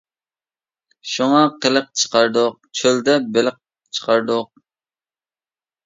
شۇڭا قىلىق چىقاردۇق، چۆلدە بېلىق چىقاردۇق.